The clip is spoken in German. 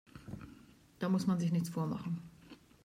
Da muss man sich nichts vormachen.